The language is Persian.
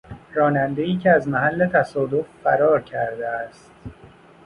رانندهای که از محل تصادف فرار کرده است.